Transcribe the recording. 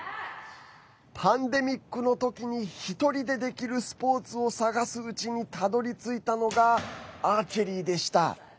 パンデミックの時に１人でできるスポーツを探すうちにたどりついたのがアーチェリーでした。